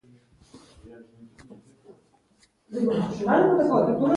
ښکار په ټولو روایاتو کې حرام وای